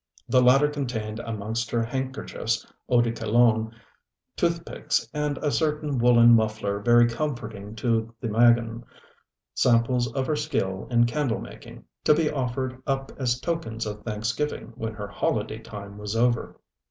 The latter contained amongst her handkerchiefs, eau de Cologne, toothpicks, and a certain woollen muffler very comforting to the ŌĆ£magen, ŌĆØ samples of her skill in candle making, to be offered up as tokens of thanksgiving when her holiday time was over.